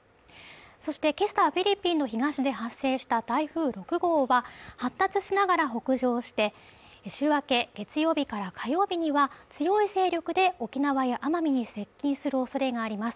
そして今朝はフィリピンの東で発生した台風６号は発達しながら北上して週明け月曜日から火曜日には強い勢力で沖縄や奄美に接近するおそれがあります